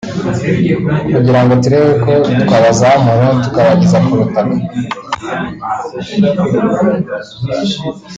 kugira ngo turebe ko twabazamura tukabageza ku butaka